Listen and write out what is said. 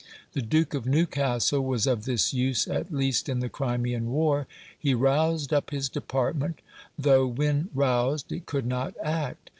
The Duke of Newcastle was of this use at least in the Crimean War. He roused up his department, though when roused it could not act.